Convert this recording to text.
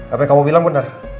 apa yang kamu bilang benar